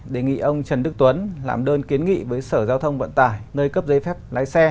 đề nghị ông trần đức tuấn làm đơn kiến nghị với sở giao thông vận tải nơi cấp giấy phép lái xe